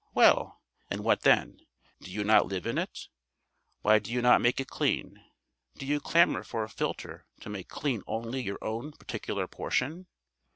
Well, and what then? Do you not live in it? Why do you not make it clean? Do you clamour for a filter to make clean only your own particular portion?